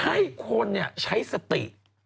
ให้คนใช้สติ